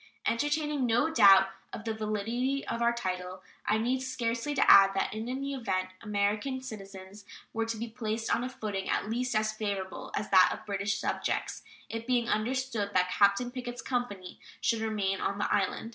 Entertaining no doubt of the validity of our title, I need scarcely add that in any event American citizens were to be placed on a footing at least as favorable as that of British subjects, it being understood that Captain Pickett's company should remain on the island.